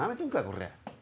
これ。